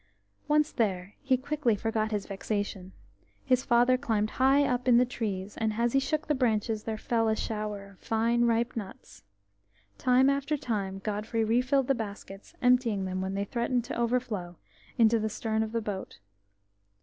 Once there, he quickly forgot his vexation. His father climbed high up in the trees, and, as he shook the branches, there fell a shower of fine, ripe nuts. Time after time, Godfrey refilled the baskets, emptying them, when they threatened to overflow, into the stern of the boat.